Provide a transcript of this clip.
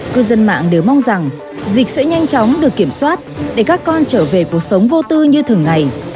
cư dân mạng đều mong rằng dịch sẽ nhanh chóng được kiểm soát để các con trở về cuộc sống vô tư như thường ngày